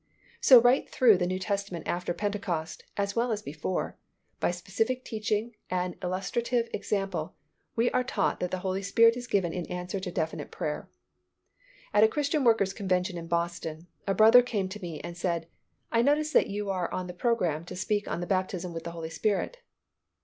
So right through the New Testament after Pentecost, as well as before, by specific teaching and illustrative example, we are taught that the Holy Spirit is given in answer to definite prayer. At a Christian workers' convention in Boston, a brother came to me and said, "I notice that you are on the program to speak on the Baptism with the Holy Spirit."